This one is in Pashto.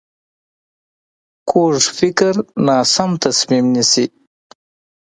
کوږ فکر ناسم تصمیم نیسي